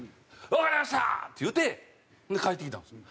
「わかりました！」って言うて帰ってきたんですよ。